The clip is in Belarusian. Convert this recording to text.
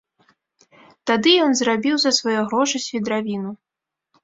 Тады ён зрабіў за свае грошы свідравіну.